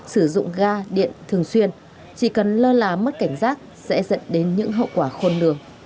sử dụng ga điện thường xuyên chỉ cần lơ là mất cảnh giác sẽ dẫn đến những hậu quả khôn lường